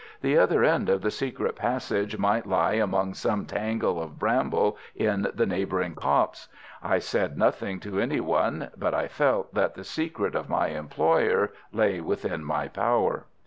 The other end of the secret passage might lie among some tangle of bramble in the neighbouring copse. I said nothing to any one, but I felt that the secret of my employer lay within my power.